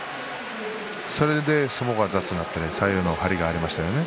それで相撲が雑になって左右の張りがありましたね。